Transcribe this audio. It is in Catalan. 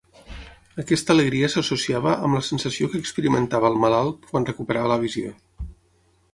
Aquesta alegria s'associava amb la sensació que experimentava el malalt quan recuperava la visió.